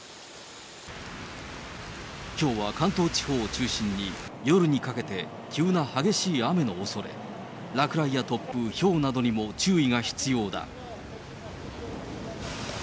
きょうは関東地方を中心に夜にかけて急な激しい雨のおそれ、落雷や突風、ひょうなどにも注意が必要だ。